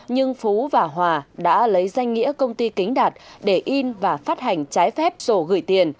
nhưng phú và hòa đã lấy danh nghĩa công ty kính đạt để in và phát hành trái phép rồi gửi tiền